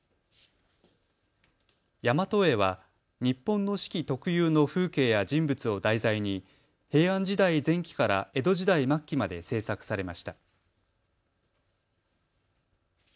やまと絵は日本の四季特有の風景や人物を題材に平安時代前期から江戸時代末期まで制作されました。